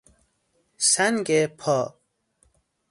سنگ پا